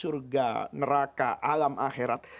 surga neraka alam akhirat